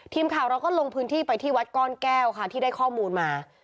ทีมข่าวเราก็ลงพื้นที่ไปที่วัดก้อนแก้วค่ะที่ได้ข้อมูลมา